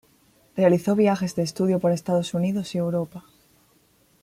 Realizó viajes de estudio por Estados Unidos y Europa.